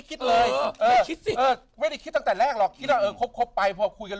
คิดเลยไม่ได้คิดตั้งแต่แรกหรอกคิดว่าเออครบไปพอคุยกัน